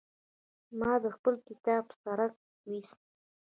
ما د خپل کتاب څرک ويوست.